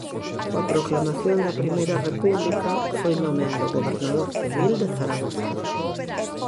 Coa proclamación da I República foi nomeado Gobernador Civil de Zaragoza.